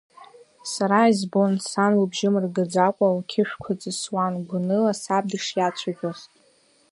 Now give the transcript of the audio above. Сара избон, сан лыбжьы мыргаӡакәа, лқьышәқәа ҵысуа гәаныла саб дышиацәажәоз.